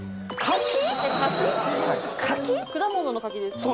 果物の柿ですか？